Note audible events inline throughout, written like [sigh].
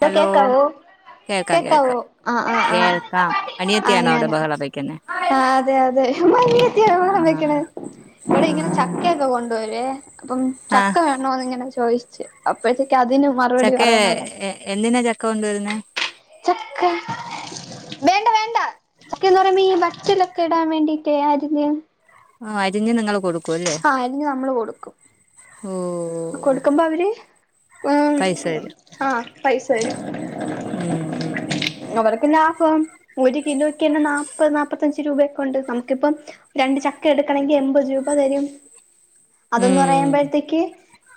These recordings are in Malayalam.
ഡോ ഹലോ കേക്കാവോ കേൾക്കാം കേക്കാവോ കേൾക്കാം ആഹ് ആഹ് ആഹ് കേൾക്കാം അനിയത്തിയാണോ അവിടെ അങ്ങനെ ബഹളം വെക്കുന്നെ ആ അതെ അതെ അമ്മായിയെത്തിനാ ബഹളം ആഹ് വെക്ക്ണ് ഇവിടെ ഇങ്ങനെ ആഹ് ചക്കയൊക്കെ കൊണ്ട് വരോയ് അപ്പം ചക്ക ആഹ് വേ [unintelligible] ഇങ്ങനെ ചോയിച്ച് അപ്പഴത്തേക്ക് അതിനും ചക്കെ എ എന്തിനാ ചക്ക കൊണ്ടുവരുന്നെ ചക്ക ബെൻ ചക്ക വേണ്ട ചക്ക എന്ന് പറയുമ്പോ ഈ വറ്റലൊക്കെ ഇടാൻ വേണ്ടീട്ട് അരിഞ്ഞ് ആ അരിഞ് നിങ്ങള് കൊടു ആ അരിഞ് നമ്മള് കൊട്ക്കും ഓഹ് കൊട്ക്ക്മ്പോ അവര് ഉം പൈസ തരും ആഹ് പൈസ തരും ഉം ഉം ഉം അവർക്ക് ലാഫം ഒര് കിലോയ്ക്കെന്നെ നാപ്പത് നാപ്പത്തഞ്ച് രൂപയൊക്കെയുണ്ട് നമുക്കിപ്പം രണ്ട് ചക്ക എടുക്കണെങ്കി എൺമ്പത് രൂപ തരും അത് ന്ന് ഉം പറയുമ്പഴത്തേക്ക്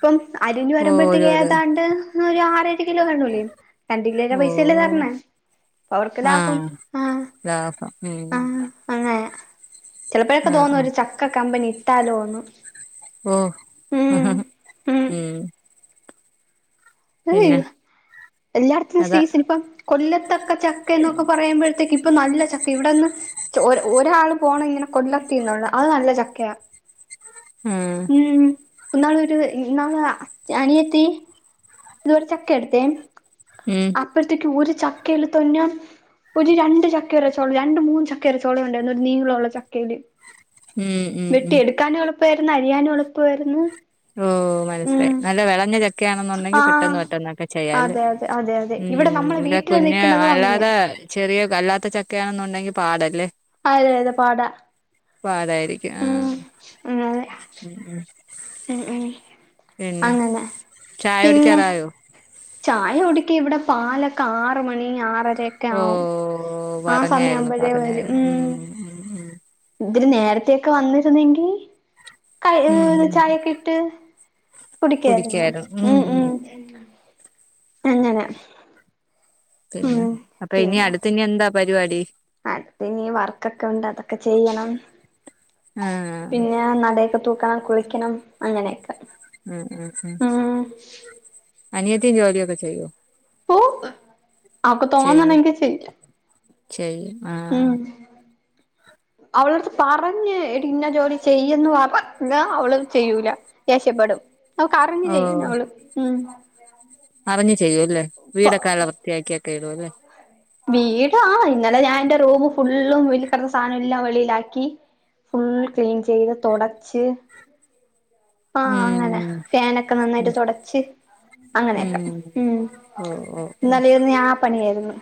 ഇപ്പം അരിഞ്ഞു ഓഹ് ഒരു വരുമ്പഴത്തേക്ക് ഒരു ഏതാണ്ട് ഒരു ആറ് ഒരു കിലോ കാണൂലേ രണ്ട് കിലോന്റെ പൈസയല്ലെ ഓഹ് തരണെ അവർക്ക് ലാഫം ആഹ് ആഹ് ലാഭം ഉം ആഹ് അങ്ങനെ ചിലപ്പഴൊക്കെ ആഹ് തോന്നും ആഹ് ഒരു ചക്ക കമ്പനി ഇട്ടാലോന്ന് ഓഹ് ഉം ഹ്ഹ്ഹ് ഉം പിന്നെ അതേയ് എല്ലാട്ത്തും അതാ സീസണിപ്പം കൊല്ലത്തക്കെ ചക്ക എന്നൊക്കെ പറയുമ്പഴത്തേക്ക് ഇപ്പോ നല്ല ചക്ക ഇവിടെന്ന് ചെ ഒര് ഒരാള് പോണം ഇങ്ങനെ കൊല്ലത്തീന്നുള്ള അത് നല്ല ചക്കയാ ഉം ഉം ഇന്നാളൊരു ഇ ഇന്നാള് അനിയത്തി ഇതുപോലെ ചക്ക എടുത്തേ ഉം അപ്പഴ്ത്തേക്ക് ഒരു ചക്കയല്ല തിന്ന ഒരു രണ്ട് ചക്കയുടെ ചൊള രണ്ടു മൂന്ന് ചക്കയുടെ ചൊള ഉണ്ടായിര്ന്നു ഒരു നീളഉള്ള ചക്കയില് ഉം ഉം വെട്ടി ഉം എടുക്കാനും എളുപ്പേയിര്ന്ന് അരിയാനും എളുപ്പേയിര്ന്ന് ഓഹ് മനസ്സിലായി നല്ല വെളഞ്ഞ ച ക്കയാണെന്നുണ്ടെങ്കി പെട്ടെന്ന് ആഹ് പെട്ടെന്നൊക്കെ ചെയ്യാല്ലേ അതെ അതെ അതെ അതെ ഇവിടെ ഉം നമ്മളെ ഇന്റെ വീട്ടില് കുഞ്ഞ് നിക്കണതും അങ്ങനെ അല്ലാതെ ചെറിയ ക അല്ലാത്ത ചക്കയാണെന്നുണ്ടെങ്കി പാടല്ലേ അതെ അതെ പാടാ പാടായിരിക്കും ഉം ആഹ് അതെ ഉം ഉം പിന്നെ അങ്ങനെ ചായ പിന്നെ കുടിക്കാറായോ ചായ കുടിക്കി ഇവിടെ പാലൊക്കെ ആറ് മണി ആറരെ ക്കെ ഓ ആവും ആ സമയ പറഞ്ഞായിരുന്നു ആവുമ്പഴേ വരും പറഞ്ഞായിരുന്നു ഉം ഉം ഉം ഇത്തിരി നേരത്തൊക്കെ വന്നിരുന്നെങ്കി കൈ ഉം ഉം ചായൊക്കെ ഇട്ട് കുടിക്കായിരുന്നു ഉം ഉം അങ്ങനെ പിന്നെ ഉം അപ്പ ഇനി അടുത്ത് ഇനി എന്താ പരുവാടി അട്ത്ത് ഇനി വർക്കൊക്കെ ഉണ്ട് അതൊക്കെ ചെയ്യണം ആഹ് പിന്നെ നടയൊക്കെ തൂക്കണം കുളിക്കണം അങ്ങനെയൊക്കെ ഉം ഉം ഉം അനിയത്തി ജോലിയൊക്കെ ചെയ്യോ ഓപ്പ് അവക്ക് ചെയ്യും തോന്നന്നണെങ്കിൽ ചെയ്യും ചെയ്യും ആഹ് അവളട്ത്ത് പറഞ്ഞ് എടീ ഇന്ന ജോലി ചെയ്യ്ന്ന് പറഞ്ഞാ അവള് ചെയ്യൂല ദേഷ്യപ്പെടും അവക്കറിഞ്ഞ് ഓ ചെയ്യും അവള് ഉം അറിഞ്ഞ് ചെയ്യും അല്ലേ ഇപ്പൊ വീടൊക്കെ അല്ല വൃത്തിയാക്കിയൊക്കെ ഇടൂ അല്ലേ വീട് ആ ഇന്നലെ ഞാൻ എന്റെ റൂമ് ഫുള്ളും [unintelligible] കിടന്ന സാധനോം എല്ലാം വെളിയിലാക്കി ഫുൾ ക്ലീൻ ചെയ്ത് തുടച്ച് ആഹ അങ്ങനെ ഉം ഫാനൊക്കെ നന്നായി ഉം തൊടച്ച് അങ്ങനെയൊക്കെ ഉം ഓ ഓ ഓ ഇന്നാലന്ന് ഞാൻ ആ പണിയായിരുന്നു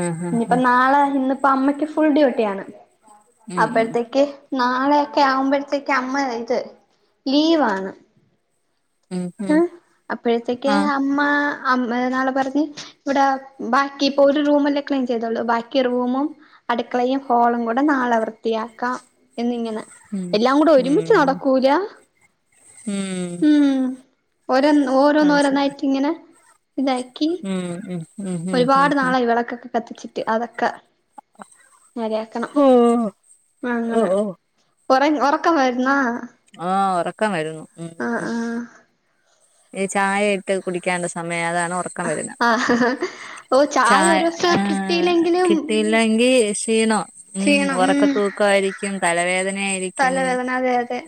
ആഹ് ആഹ് ഇനിയിപ്പോ ആഹ് നാളെ ഇന്നിപ്പോ അമ്മയ്ക്ക് ഫുൾ ഡ്യൂട്ടിയാണ് ഉം അപ്പഴ്ത്തേക്ക് നാളെയൊക്കെ ആവുമ്പോഴത്തേക്ക് അമ്മ ഇത് ലീവാണ് ഉം ഉം അപ്പോഴത്തേക്ക ആഹ് അമ്മ [unintelligible] ഇവിടെ ബാക്കി ഇപ്പൊ ഒരു റൂമല്ലേ ക്ലീൻ ചെയ്തോള്ളൂ ബാക്കി റൂമും അടുക്കളയും ഹോളും കൂടെ നാളെ വൃത്തിയാക്കാം എന്നിങ്ങനെ ഉം എല്ലാം കൂടെ ഒരുമിച്ച് ഉം നടക്കൂല ഉം ഓരോ മനസ്സിലായി ഓരോന്നോരോന്നായിട്ടി ങ്ങനെ ഇതാക്കി ഉം ഉം ഉം ഉം ഉം ഒരുപാട് ഉം നാളായി വിളക്കൊക്കെ കത്തിച്ചിട്ട് അതൊക്കെ നേരെയാക്കണം ഹോ ആ ഓ അങ്ങനെ ഓ ഉറ ഉറക്കംവരുന്നാ ആഹ് ഉറക്കം വരുന്നു ഉം ഉം ആഹ് ഈ ചായകെ കുടികാനുളള സമയായി അതാണ് ഉറക്ക വരുന്ന ആഹ് ഓഹ് ചായ ഒരു ദിവസം കിട്ടിയില്ലെങ്കിലും കിട്ടിയില്ലെങ്കിൽ ക്ഷീണോ ഉം ക്ഷീണം ഉം ഉറക്കത്തൂക്കയിരിക്കും തലവേദനയായിരിക്കും തലവേദന അതെ അതെ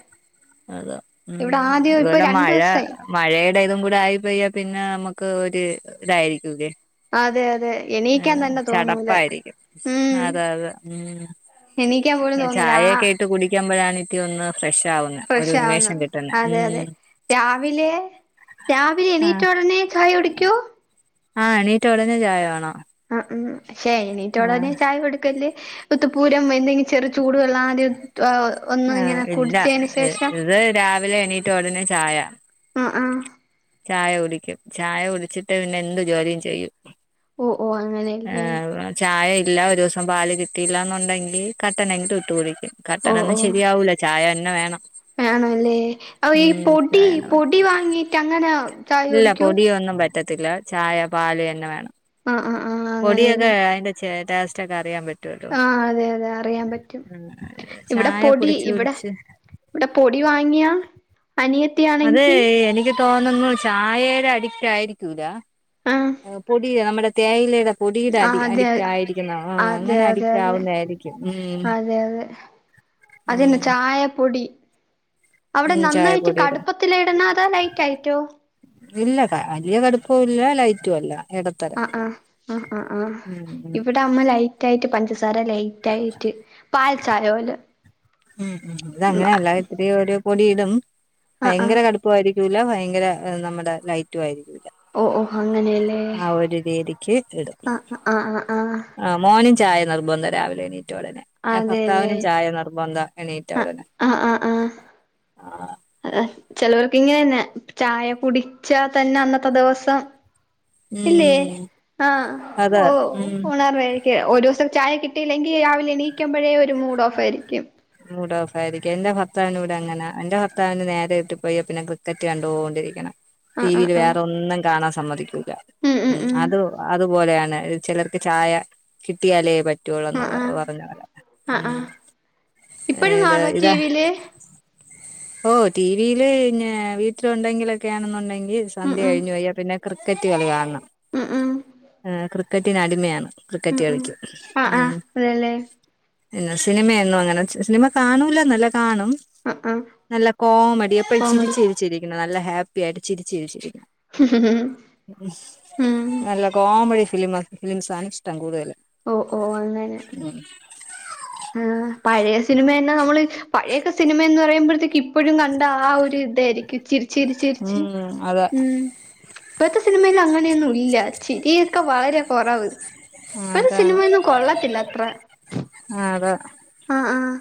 അതെ ഉം ഇവിടെ ആദ്യം ഇപ്പൊ ഇവടെ രണ്ടു മഴ ദിവസായി മഴയുടെ ഇതും കൂടെ ആയി പോയ പിന്നെ നമുക്ക് ഒരു ഇതായിരിക്കല്ലേ അതെ അതെ എണീക്കാൻ ഉം തന്നെ തോന്നൂല ചടപ്പായിരിക്കും അത അതെ ഉം എണീക്കാ ചായയൊക്കെ ഇട്ട് കുടിക്കുമ്പോഴാണ് പിന്നെ ഒന്ന് ഫ്രഷ് ആവുന്നത് ഫ്രഷാവുന്ന് അതെ അതെ രാവിലെ രാവിലെ എണീറ്റ ആഹ് ഉടനെ ചായ് കുടിക്കൊ ആഹ് എണീറ്റ ഒടനെ ചായ വേണം ആ ഉം പക്ഷേ എണീറ്റ ഉടനെ ചായ കൊടുക്കല് ഉത്തപ്പൂരം എന്തെങ്കി ചെറു ചൂട് വെള്ളം ആദ്യം ഒന്ന് ആഹ് ഇങ്ങനെ കുടിച്ചതിന് ശേഷം റ്റ ഉടനെ ചായ ഉം ആഹ് ചായ കുടിക്കും ചായ കുടിച്ചിട്ടേ പിന്നെ എന്ത് ജോലിയും ചെയ്യു. ഓ ഓ അങ്ങനെയല്ലേ ആഹ്. ചായ ഇല്ല ഒരു ദിവസം പാല് കിട്ടിയില്ലാന്നുണ്ടെങ്കിൽ കട്ടണെങ്കിൽ ഇട്ട് കുടിക്കും. ഓ കട്ടനൊന്നും ഓ ശരിയാവൂല, ചായ തന്നെ വേണം. ആണല്ലേ അ ഈ ഉം പൊടി ചായ തന്നെ വേണം പൊടി വാങ്ങിട്ട് അങ്ങനെ ചായ ഇല്ല കുടിക്കൂ പൊടി ഒന്നും പറ്റത്തില്ല, ചായ പാല് തന്നെ വേണം. ആഹ് ആഹ് ആഹ്. പൊടിയൊക്കെ അങ്ങനെയല്ലേ അതിന്റെ ടേസ്റ്റ് ഒക്കെ അറിയാൻ പറ്റും. ട്ടട്ടോ ആഹ് അതെ അതെ അറിയാൻ പറ്റും ഇവിടെ ചായ പൊടി കുടിച്ച് ഇവിടെ കുടിച്ച് ഇവിടെ പൊടി വാങ്ങിയാ അനിയ അതെ എനിക്ക് തോന്നുന്നു ചായയുടെ അഡിക്റ്റ് ആയിരിക്കൂല. ആഹ് പൊടി നമ്മുടെ തേയിലയുടെ പൊടിടെ അഡി ആഹ് അതെ അഡിക്റ്റ് ആയിരിക്കുന്നോ ആഹ് അതെ അങ്ങനെ അതെ അഡിക്റ്റ് അതെ ആവുന്നായിരിക്കും ഉം. അതിന് ഉം ചായപ്പൊടി അവിടെ ഉം നന്നായിട്ട് ചായപ്പൊടിയുടെ കടുപ്പത്തിലിടണോ അതോ ലൈറ്റ് ആയിട്ടോ. ഇല്ല വലിയ കടുപ്പവും ഇല്ല ലൈറ്റും അല്ല. ഇടത്തരം ആ ആ ആ ആ ആ ഉം ഉം ഇവിടെ ത്തെ അമ്മ ലൈറ്റ് ആയിട്ട് പഞ്ചസാര ലൈറ്റ് ആയിട്ട് പാൽ ചായ പോലെ ഉം ഉം ഇത് അങ്ങനെയല്ല ഇത്തിരി ഒരു പൊടിയിടും, ആഹ് ആഹ് ഭയങ്കര കടുപ്പമായിരി ക്കുല ഭയങ്കര നമ്മുടെ ലൈറ്റ് ആയിരിക്കൂല. ഓ ഓ അങ്ങനെയല്ലേ. ആ ഒരു രീതിക്ക് ഇടും. ആ ആ ആ ആ മോനും ചായ നിർബന്ധാ രാവിലെ എണീറ്റോടനെ അതെല്ലേ ഭർത്താവിനും ചായ നിർബന്ധാ എണീറ്റ ഉടനെ. ആ ആ അഹ് ചിലവർക്ക് ഇങ്ങനെ ചായ കുടിച്ചാ തന്നെ അന്നത്തെ ദിവസം ഇല്ലേ ഉം ആ അതെ ഓ ഉം ഉണർവേ. എ ഒരൂസം ചായ കിട്ടില്ലെങ്കി രാവിലെ എണീക്കുമ്പഴേ ഒരു മൂഡ് ഓഫ് ആയിരിക്കും. മൂഡ് ഓഫ് ആയിരിക്കും, എന്റെ ഭർത്താവിനും ഇവിടെ അങ്ങന എന്റെ ഭർത്താവിന് നേരെ വീട്ടിപ്പോയാ പിന്നെ ക്രിക്കറ്റ് കണ്ടോണ്ടിരിക്കണം. ആ ടി വി ആ ല് ആ വേറെ ഒന്നും കാണാൻ സമ്മതിക്കൂല ഉം ആത് ഒ അതുപോലെയാണ് ചിലർക്ക് ചായ കിട്ടിയാലേ പറ്റ് ആ പറ്റുവൊള്ളന്ന് വ ആ വറഞ്ഞ പോലെ ഉം. ഇപ്പഴും ഇത് കാണോ റ്റി ഇതാ വി യില്. ഓ ടി വി ല് ന്നെ വീട്ടിലുണ്ടെങ്കിലൊക്കെ ആണെന്നുണ്ടെങ്കി ഉം സന്ധ്യ ഉം കഴിഞ്ഞു പോയ പിന്നെ ക്രിക്കറ്റ് കളി കാണം. ഉം ഉം ആ ക്രിക്കറ്റിന് അടിമയാണ് ഉം ക്രിക്കറ്റ് ഉം കളിക്കും ആ ആ ഉം. അതെല്ലേ പിന്നെ സിനിമയന്നും അങ്ങനെ സിനിമ കാണൂല എന്നല്ല കാണും. ആ ആ നല്ല കോമഡി എപ്പോഴും കോമഡി ചിരിച്ചിരിച്ചിരിക്കണം, നല്ല ഹാപ്പി ആയിട്ട് ചിരിച്ചിരിച്ചിരിക്കണം. ഉം നല്ല കോമഡി ഫിലിമ ഫിലിംസാണ് ഇഷ്ടം കൂടുതൽ. ഓ ഓ അങ്ങനെ [unintelligible] ആ പഴയ സിനിമ തന്നെ നമ്മൾ പഴയൊക്കെ സിനിമ എന്ന് പറയുമ്പോഴത്തേക്ക് ഇപ്പോഴും ക ണ്ടാ ഒരു ഇതായിരിക്കും, ചിരി ച്ചിരി ച്ചിരിച്ച് ഉം അതെ ഉം. ഇപ്പഴത്തെ സിനിമല് അങ്ങനെയൊന്നും ഇല്ല ചിരിയൊക്കെ വളരെ കുറവ്. ആ ഇപ്പഴത്തെ അതാണ് സിനിമയൊന്നും കൊള്ളത്തില്ല അത്ര ആ അതാ. ആഹ് ആഹ്.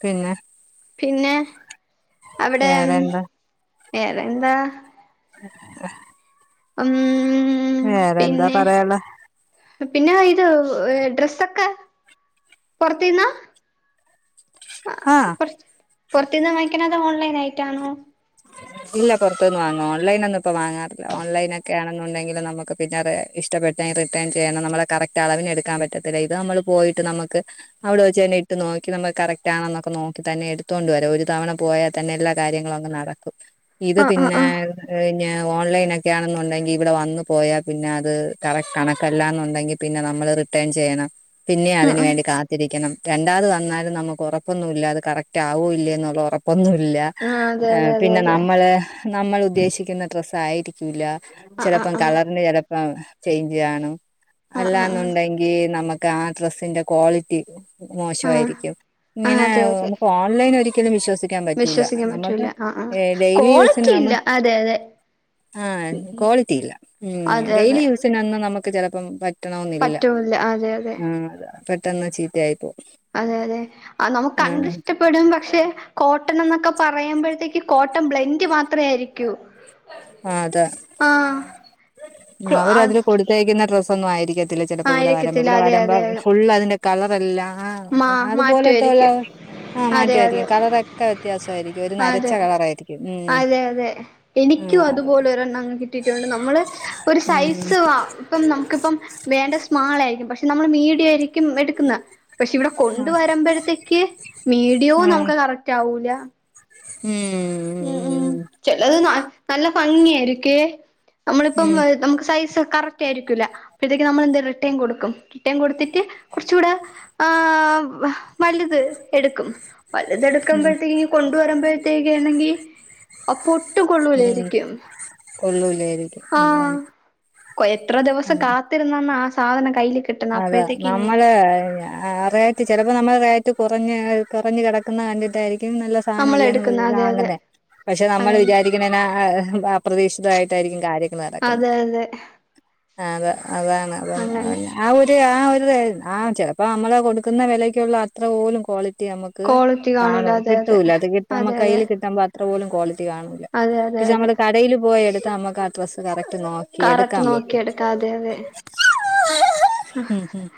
പിന്നെ പിന്നെ അവിടെ വേറെന്താ വേറെ എന്താ ആഹ് ഉം വേറെ എന്താ പിന്നെ പറയാള്ളെ പിന്നെ അ ഇത് ഡ്രസ്സൊക്കെ പൊറതീന്നാ ആഹ് പൊർത്ത്ന്ന വാങ്ങിക്കണ അതോ ഓൺലൈൻ ആയിട്ടാണോ ഇല്ല പൊറത്തുന്ന വാങ്ങും ഓൺലെയ്നൊന്നും ഇപ്പ വാങ്ങാറില്ല ഓൺൈനൊക്കെ ആണെന്നുണ്ടെങ്കിൽ നമുക്ക് പിന്നെഅത് ഇഷ്ടപ്പെട് റിട്ടേൺ ചെയ്യണം നമ്മളെ കറക്റ്റ് അളവിന് എടുക്കാൻ പറ്റത്തില്ല ഇത് നമ്മള് പോയിട്ട് നമക്ക് അവിടെ വെച്ച് തന്നെ ഇട്ട് നോക്കി നമ്മക്ക് കറക്റ്റ് ആണെന്നൊക്കെ നോക്കി തന്നെ എടുത് കൊണ്ട് വരാം ഒരു തവണ പോയാ തന്നെ എല്ലാ കാര്യങ്ങളും അങ്ങ് നടക്കും ഇത് ആഹ് ആഹ് പിന്നെ ആഹ് പിന്നെ ഓൺലൈൻ ഒക്കെയാണെന്നുണ്ടെങ്കി ഇവിടെ വന്ന് പോയാ പിന്നെ അത് കറക്റ്റ് കണക്കല്ലാന്നുണ്ടെങ്കിൽ പിന്നെ നമ്മള് റിട്ടേൺ ചെയ്യണം പിന്നെ ഉം അതിന് ഉം വേണ്ടി കാത് ത്തിരിക്കണം രണ്ടാത് വന്നാലും നമക്ക് ഉറപ്പൊന്നുല്ല അത് കറക്റ്റ് ആകോ ഇല്ലെ എന്നുള്ള ഉറപ്പൊന്നും ഇല്ല ആ അതെ അതെ അതെ അതെ അതെ നമ്മൾ ഉദ്ദേശിക്കുന്ന ഡ്രസ്സായിരിക്കൂല്ല ആ ആ ചെലപ്പോ ആ കളറിൻ ചെ ആ ചേയ്ഞ്ച് ചെയാണം ആ ആ ആ അല്ലാന്നുണ്ടെങ്കി ഇ നമ്മക്ക് ആ ഡ്രസിന്റെ ക്വാളിറ്റി ആ മോശയിരിക്കും ആ ഇങ്ങനെ അതെ ഒ അതെ നമുക്ക് ഓൺ ഓൺലൈൻ ഒരിക്കലും വിശ്വസിക്കാൻ പറ്റൂല്ല വിശ്വസിക്കാൻ നമക്ക് പറ്റൂല ആ ആ എ ഡെയ്ലി യൂസിന് ക്വാളിറ്റി നമ ഇല്ല അതെ അതെ ആ ക്വാളിറ്റി ഇല്ല ഉം അതെ ഡെയ്ലി അതെ യൂസിനൊന്നും നമ്മക്ക് ചെലപ്പംപറ്റ് ട്ടണമെന്നില്ല പറ്റൂല്ല അതെ അതെ ആ പെട്ടെന്ന് ചീത്തയായിപ്പോ അതെ അതെ അ നമുക്ക് കണ്ടിഷ്ട പെടും പക്ഷെ കോട്ടൺ എന്നൊക്കെ പറയുമ്പോഴത്തേക്ക് കോട്ടൺ ബ്ലെൻഡ് മാത്രെ ആയിരിക്കൂ [unintelligible] ആഹ് അത ആഹ് ആഹ് അവര് അതില് കൊടുത്തേക്കുന്ന ഡ്രസ്സ ഒന്നും ആയിരിക്കത്തില്ല ചിലപ്പോ ഇവടെ വരമ്പോ ആയിരിക്കത്തില്ല ഇവടെ അതെ വരമ്പോ അതെ അതെ ഫുള് അതിന് കളറല്ല ആ മാ അതുപോലെത്തല്ലോ മാറ്റമായിരിക്കും ആഹ് അതെ അതെ മാറ്റമായിരിക്കും കളറൊക്കെ വ്യത്യാസമായിരിക്കും ഒരു നരച്ച അതെ കളറ ആയിരിക്കും ഉം അതെ അതെ എനിക്കും ഉം അത് അതുപോലെ ഒരെണ്ണങ്ങ് കിട്ടിയിട്ടുണ്ട് നമ്മള് ഒരു ഉം സൈസ് വാ പ്പം നമുക്കിപ്പം വേണ്ട സ്മാൾ ആയിരിക്കും പക്ഷെ നമ്മള് മീഡിയായിരിക്കും ക്കും എടുക്കുന്ന പക്ഷെ ഇവിടെ കൊണ്ട് വരുമ്പോഴത്തേക്ക് മീഡിയോ ഉം നമക്ക് കറക്റ്റ് ആവൂല ഉം ഉ ഉം ചെലത് ന നല്ല ഭംഗിയായിരിക്കേ നമ്മളിപ്പം ഉം നമുക്ക് സൈസ് കറക്റ്റ് റ്റാ ആയിരിക്കൂല അ പ്പഴത്തേക്ക് നമ്മൾ എന്ത റിട്ടേൺ കൊടുക്കും റിട്ടേൺ കൊടുത്തിട്ട് കുറചൂടെ ആഹ് വലുത് എടുക്കും ഉം വെലുതടുക്കുമ്പഴത്തേക്ക് കൊണ്ട് വരുമ്പോഴത്തേക്ക് നങ്കി അപ്പൊ ഒട്ടും കൊള്ളൂലായിരിക്കും കൊള്ളൂലേയിരികും ആഹ് കൊ എത്ര ദിവസം കാത്തിരുന്നന്ന ആ സാധനം കയ്ൽകിട്ട അതെ നമ്മള് ആ റേറ്റ് ചിലപ്പോ നമ്മൾ ആ റേറ്റ് കുറഞ്ഞ കുറഞ് കിടക്കുന്ന കണ്ടിയിട്ടായിരിക്കും നല്ല സാനം നമ്മൾ അല്ലേന്ന് എടുക്കുന്ന പറഞ്ഞ് അതെ അതെ വാങ്ങുന്നെ പക്ഷെ നമ്മൾ അതെ അതെ വിചാരിക്കുന്നേ അപ്രതീക്ഷിതമായിട്ടായിരക്കും കാര്യങ്ങൾ നടക് അതെ അതെ ആഹ് അതാ അതാണ് അപ്പം അങ്ങനെ ആ ഒരു ആ ഒരു ആ ചിലപ്പോ നമ്മള് കൊടുക്കുന്ന വിലക്കുള്ള അത്ര പോലും ക്വാളിറ്റി കിട്ടി നമ്മക്ക് ക്വാളിറ്റി കാണൂല കാണും അതെ അതെ കിട്ടൂല അത് കിട്ടു നമ്മു അതെ അതെ കയ്യിൽ കിട്ടുമ്പോ അത്ര പോലും ക്വാളിറ്റി കാണൂല്ല അതെ അതെ പക്ഷെ അതെ നമ്മള് കടയിൽ പോയ എടുത്ത് നമുക്ക് ആ ഡ്രസ്സ് കറക്റ്റ് നോക്കാം കറക്റ്റ് നോക്കിയെടുക്കാം അതെ അതെ ഉം ഉം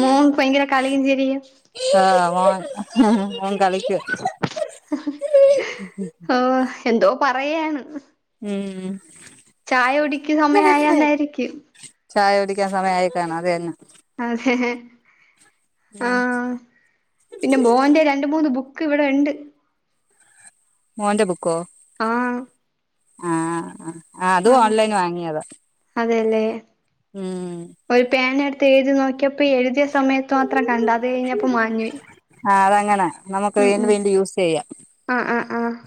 മോൻ ഭയങ്കര കളിയും ചിരിയും ആഹ് മോൻ കളിക്കുവാ ഓ എന്തോ പറയാണ് ഉം ഉം ചായകുടിക്കു സമയം ആയകൊ ണ്ടായിരിക്കും ചായ കുടിക്കാൻ സമയായിട്ടാണ് അതു തന്നെ അതെ ഉം ആഹ് പിന്നെ മോന്റെ രണ്ട് മൂന്ന് ബുക്ക് ഇവിടെ ഉണ്ട് മോന്റെ ബുക്കോ ആഹ് ആഹ് ആ അതും ആഹ് ഓൺലൈൻ വാങ്ങിയതാ അതെല്ലേ ഉം ഒരു പേന എടുത്ത് എഴുതി നോക്കിയപ്പം ഇപ്പൊ എഴുതിയ സമയത്ത് മാത്രം കണ്ട് അത് കഴിഞ്ഞപ്പോ മാഞ്ഞുപോയി ആ അതങ്ങനാ നമുക്ക് ഉം വീണ്ടും ഉം വീണ്ടും യൂസ് ചെയ്യാം ആഹ് ആഹ് അ ആഹ്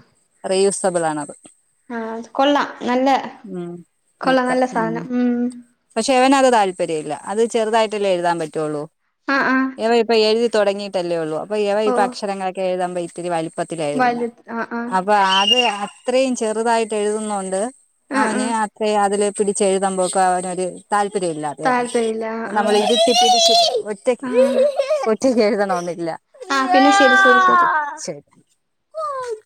റീയൂസബിൾ ആണത് ആഹ് അ കൊള്ളാം നല്ല ഉം കൊള്ളാം നല്ല സാധനം ഉം പക്ഷെ അവനത് താല്പര്യം ഇല്ല അത് ചെറുതായിട്ടല്ലേ എഴുതാൻ പറ്റുവുള്ളൂ ആഹ് ആഹ് എവനിപ്പോ എഴുതി തുടങ്ങിയിട്ടല്ലേ ഉള്ളൂ അപ്പ ഇവ ഇ ഓ അക്ഷരങ്ങളൊക്കെ എഴുതുമ്പോൾ ഇത്തിരി വലിപ്പ പ്പത്തിലാ എഴുതുന്നെ വലുത് ആഹ് ആഹ് അപ്പൊ അത് അത്രയും ചെറുതായിട്ട് എഴുതുന്ന കൊണ്ട് ആഹ് അവന് ആഹ് അത് അതില് പിടിച്ച് എഴുതുമ്പോക്കെ അവനൊരു താല്പര്യം ഇല്ലാതെയാണ് താല്പര്യല്ല നമ്മൾ ആഹ് എഴുതിപ്പിച്ച് ഒറ്റക്ക് ആഹ് ആഹ് ഒറ്റയ്ക്കു എഴുതണമെന്നില്ല ആഹ് പിന്നെ ശരി ശരി ശരി ശരി